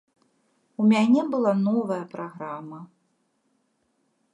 Я мяне была новая праграма.